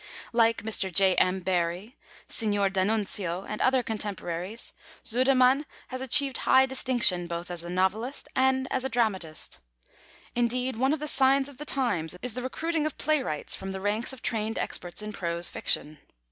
Like Mr. J. M. Barrie, Signor D'Annunzio, and other contemporaries, Sudermann has achieved high distinction both as a novelist and as a dramatist. Indeed, one of the signs of the times is the recruiting of playwrights from the ranks of trained experts in prose fiction.